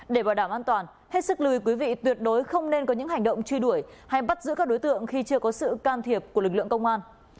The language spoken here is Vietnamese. để bảo đảm an toàn hết sức lùi quý vị tuyệt đối không nên có những hành động truy đuổi hay bắt giữ các đối tượng khi chưa có sự can thiệp của lực lượng công an